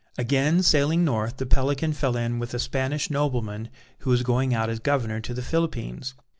Again sailing north, the Pelican fell in with a Spanish nobleman who was going out as Governor to the Philippines.